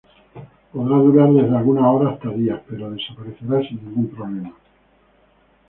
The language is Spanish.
Podrá durar desde algunas horas hasta días pero desaparecerá sin ningún problema.